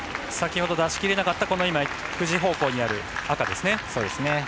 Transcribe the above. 先ほど出し切れなかった９時方向にある赤ですね。